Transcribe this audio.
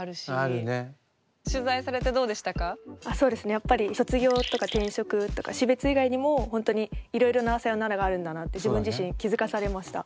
やっぱり卒業とか転職とか死別以外にも本当にいろいろなさよならがあるんだなって自分自身気付かされました。